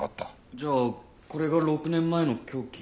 じゃあこれが６年前の凶器？